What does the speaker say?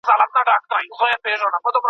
څېړونکي وویل چي هغه له ماخذونو ګټه اخیستې ده.